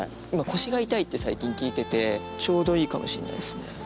腰が痛いって最近聞いててちょうどいいかもしんないですね。